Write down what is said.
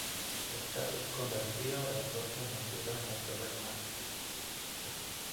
Lestat es convertido a la fuerza en vampiro en la torre de Magnus.